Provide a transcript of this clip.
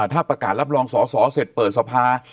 ถ้าประกาศรับรองสอสอเสร็จเปิดสภา